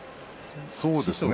そうですね。